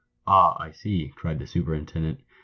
"Ah, I see!" cried the superintendent.